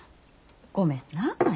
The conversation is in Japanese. ごめんな舞。